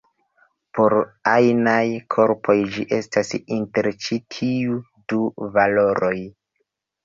Por ajnaj korpoj ĝi estas inter ĉi tiuj du valoroj.